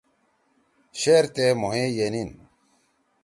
شیرتے مھوئے ینیِن۔